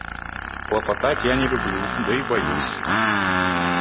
Хлопотать я не люблю, да и боюсь.